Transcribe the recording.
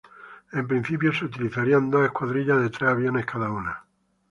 En principio se utilizarían dos escuadrillas de tres aviones cada una.